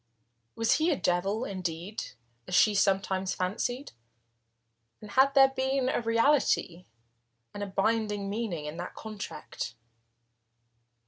Was he a devil, indeed, as she sometimes fancied, and had there been a reality and a binding meaning in that contract?